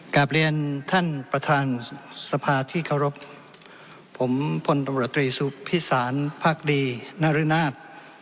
กลับเรียนท่านประธานสภาที่เคารพผมพลตำรวจตรีสุพิสารพักดีนรนาศ